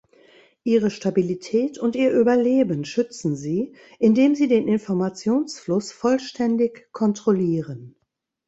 Ihre Stabilität und ihr Überleben schützen sie, indem sie den Informationsfluss vollständig kontrollieren.